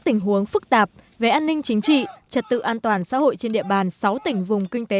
tình huống phức tạp về an ninh chính trị trật tự an toàn xã hội trên địa bàn sáu tỉnh vùng kinh tế